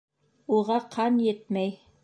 Уға ҡан етмәй.